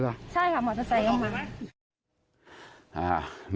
ใช่ค่ะมอเตอร์ไซล์